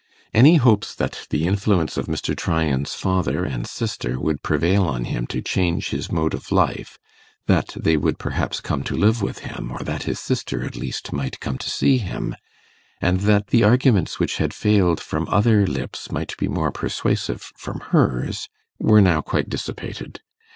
Any hopes that the influence of Mr. Tryan's father and sister would prevail on him to change his mode of life that they would perhaps come to live with him, or that his sister at least might come to see him, and that the arguments which had failed from other lips might be more persuasive from hers were now quite dissipated.